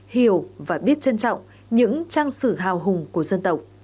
hiểu và biết trân trọng những trang sử hào hùng của dân tộc